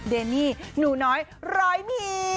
เดมี่หนูน้อยร้อยหมี